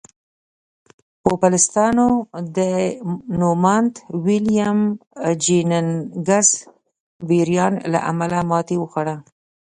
پوپلستانو د نوماند ویلیم جیننګز بریان له امله ماتې وخوړه.